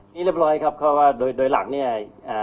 นี่เรียบร้อยครับเพราะว่าโดยหลังเนี่ย